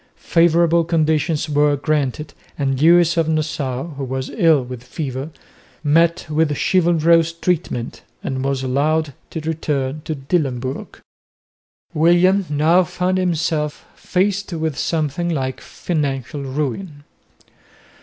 Favourable conditions were granted and Lewis of Nassau, who was ill with fever, met with chivalrous treatment and was allowed to return to Dillenburg. William now found himself faced with something like financial ruin.